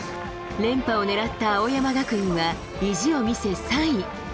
連覇を狙った青山学院は、意地を見せ、３位。